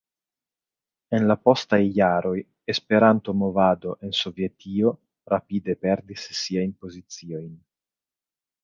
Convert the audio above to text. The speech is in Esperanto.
En la postaj jaroj Esperanto-movado en Sovetio rapide perdis siajn poziciojn.